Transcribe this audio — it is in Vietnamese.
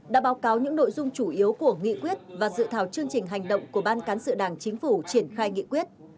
đã báo cáo những nội dung chủ yếu của nghị quyết và dự thảo chương trình hành động của ban cán sự đảng chính phủ triển khai nghị quyết